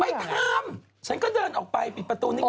ไม่ทำฉันก็เดินออกไปปิดประตูนิก